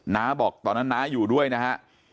น้าบอกตอนนั้นน้าอยู่ด้วยนะฮะ